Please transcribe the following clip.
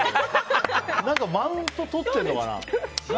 マウントとってるのかな。